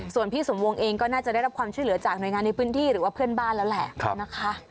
ส่วนพี่สมวงเองก็น่าจะได้รับความช่วยเหลือจากหน่วยงานในพื้นที่หรือว่าเพื่อนบ้านแล้วแหละนะคะ